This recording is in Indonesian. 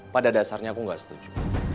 pada dasarnya aku nggak setuju